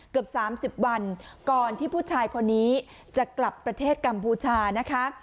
เกือบ๓๐วันก่อนที่ผู้ชายคนนี้จะกลับประเทศกัมพูชานะคะ